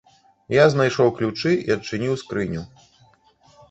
Я знайшоў ключы і адчыніў скрыню.